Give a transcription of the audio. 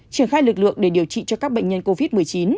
triển khai lực lượng để điều trị cho các bệnh nhân covid một mươi chín